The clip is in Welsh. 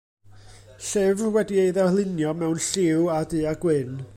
Llyfr wedi ei ddarlunio mewn lliw a du-a-gwyn.